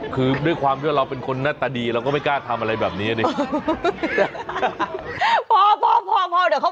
คือด้วยความที่เราเป็นคนหน้าตาดีเราก็ไม่กล้าทำอะไรแบบนี้ดิ